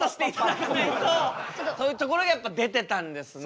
というところがやっぱ出てたんですね。